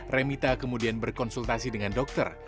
remita kemudian berkonsultasi dengan dokter